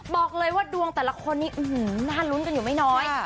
บอกเลยว่าดวงแต่ละคนนี้น่าลุ้นกันอยู่ไม่น้อย